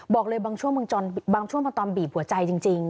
บอกเลยบางช่วงมันตอนบีบหัวใจจริง